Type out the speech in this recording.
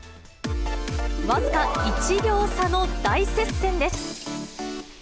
僅か１秒差の大接戦です。